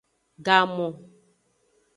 Gamon.